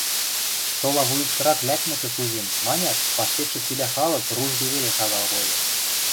– Сола вуйышкырак лӓкмӹкӹ кузем, – манят, паштекшӹ цилӓ халык, ружге веле шагал коды